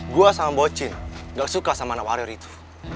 gua sama bocin gak suka sama anak warrior itu